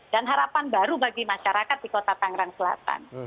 dan harapan baru bagi masyarakat di kota tangerang selatan